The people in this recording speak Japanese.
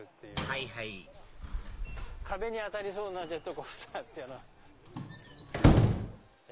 はいはい壁に当たりそうなジェットコースター。